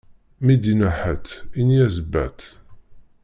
Mi d-inna ḥatt, ini-as batt.